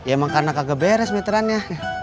emang karena kagak beres meterannya